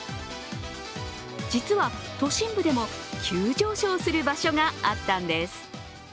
実は都心部でも急上昇する場所があったんです。